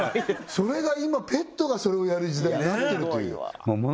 それが今ペットがそれをやる時代になってるというもの